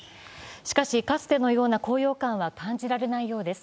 しかしかつてのような高揚感は感じられないようです。